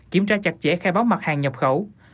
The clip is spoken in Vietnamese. kiểm tra chặt chẽ khai báo mặt hàng nhập khẩu